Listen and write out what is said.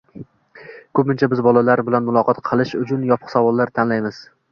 ko‘pincha biz bolalar bilan muloqot qilish uchun yopiq savollarni tanlaymiz